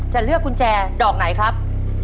เลือกกุญแจดอกไหนครับ